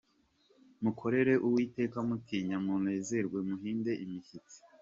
Mukorere Uwiteka mutinya, Munezerwe muhinde imishyitsi